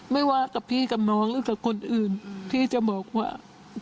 ไม่ว่ากับพี่กับน้องหรือกับคนอื่นที่จะบอกว่า